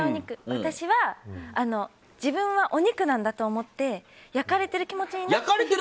私は、自分はお肉なんだと思って焼かれている気持になって。